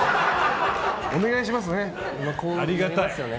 お願いしますね。